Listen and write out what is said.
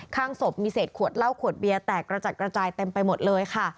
ข้างศพมีเศษขวดเหล้าขวดเบียร์แตกกระจัดกระจายเต็มไปหมดเลยค่ะ